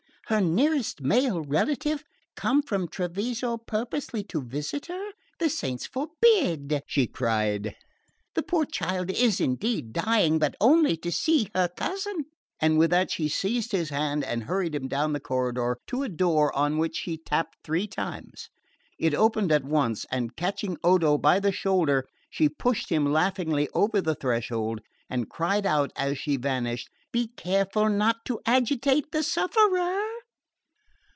Her nearest male relative, come from Treviso purposely to visit her? The saints forbid!" she cried. "The poor child is indeed dying but only to see her cousin!" And with that she seized his hand and hurried him down the corridor to a door on which she tapped three times. It opened at once, and catching Odo by the shoulder she pushed him laughingly over the threshold and cried out as she vanished: "Be careful not to agitate the sufferer!"